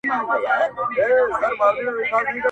په گورم کي ئې غوا نه درلوده، د گوروان سر ئې ور ماتاوه.